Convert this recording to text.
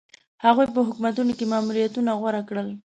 هغوی په حکومتونو کې ماموریتونه غوره کړل.